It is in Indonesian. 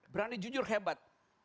berani jujur hebat